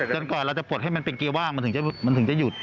ก่อนเราจะปลดให้มันเป็นเกียร์ว่างมันถึงจะหยุด